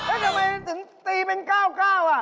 แล้วทำไมถึงตีเป็น๙๙อ่ะ